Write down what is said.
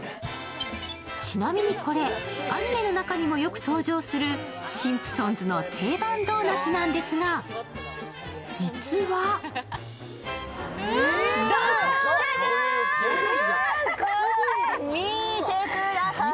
ちなみにこれ、アニメの中にもよく登場するシンプソンズの定番ドーナツなのですが実は見てください。